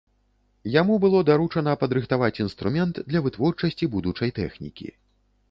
Яму было даручана падрыхтаваць інструмент для вытворчасці будучай тэхнікі.